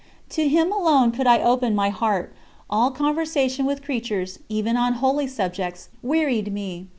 To Him alone could I open my heart; all conversation with creatures, even on holy subjects, wearied me.